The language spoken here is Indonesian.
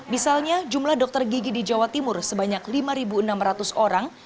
misalnya jumlah dokter gigi di jawa timur sebanyak lima enam ratus orang